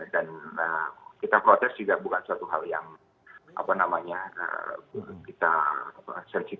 dan kita protes juga bukan suatu hal yang apa namanya kita sensitif